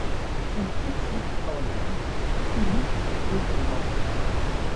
Pour Tircis sans le sou Philis est peu clemente